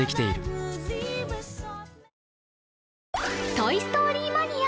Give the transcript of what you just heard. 「トイ・ストーリー・マニア！」